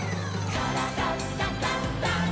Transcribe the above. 「からだダンダンダン」